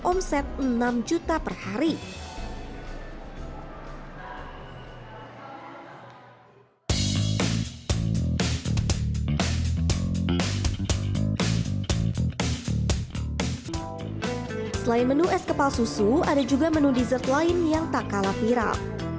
omset enam juta per hari selain menu es kepal susu ada juga menu dessert lain yang tak kalah viral